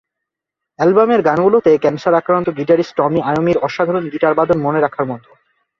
অ্যালবামের গানগুলোতে ক্যানসার-আক্রান্ত গিটারিস্ট টমি আয়োমির অসাধারণ গিটারবাদন মনে রাখার মতো।